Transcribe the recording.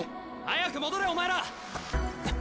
早く戻れお前ら！